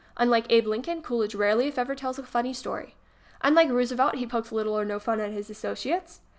Unlike Abe Lincoln, Coolidge rarely if ever tells a funny story. Unlike Roosevelt, he pokes little or no fun at his associates.